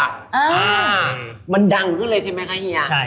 อ่ามันดังขึ้นเลยใช่ไหมคะเฮีย